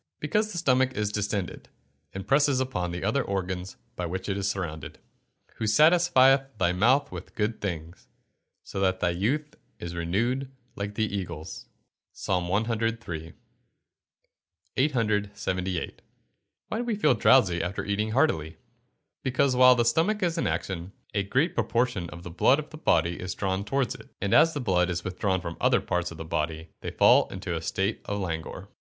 _ Because the stomach is distended, and presses upon the other organs by which it is surrounded. [Verse: "Who satisfieth thy mouth with good things; so that thy youth is renewed like the eagles." PSALM CIII.] 878. Why do we feel drowsy after eating heartily? Because, while the stomach is in action, a great proportion of the blood of the body is drawn towards it, and as the blood is withdrawn from the other parts of the body, they fall into a state of languor.